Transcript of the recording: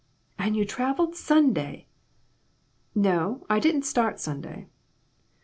"And you traveled Sunday!" "No; I didn't start Sunday."